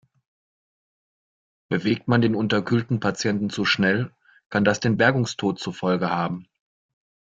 Bewegt man den unterkühlten Patienten zu schnell, kann das den Bergungstod zur Folge haben.